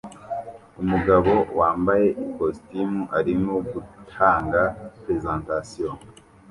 Umugabo wambaye ikositimu arimo gutanga presentation